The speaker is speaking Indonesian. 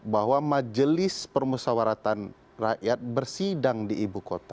bahwa majelis permusawaratan rakyat bersidang di ibu kota